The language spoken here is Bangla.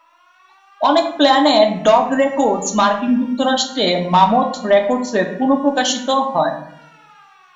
অনেক প্ল্যানেট ডগ রেকর্ডস মার্কিন যুক্তরাষ্ট্রে মামোথ রেকর্ডসে পুনঃপ্রকাশিত হয়।